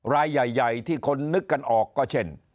รายใหญ่ที่คนนึกกันออกก็เช่น